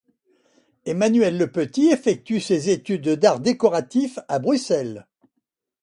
Emmanuel Le Petit effectue ses études d'arts décoratifs à Bruxelles.